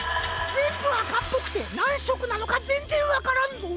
ぜんぶあかっぽくてなんしょくなのかぜんぜんわからんぞ。